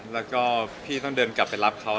แล้วก็พี่ต้องเดินกลับไปรับเขา